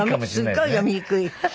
すっごい読みにくい。